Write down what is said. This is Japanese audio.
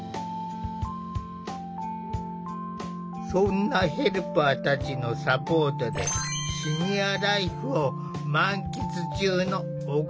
そんなヘルパーたちのサポートでシニアライフを満喫中の小笠原さん。